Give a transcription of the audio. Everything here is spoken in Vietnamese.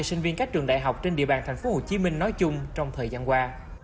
sinh viên các trường đại học trên địa bàn thành phố hồ chí minh nói chung trong thời gian qua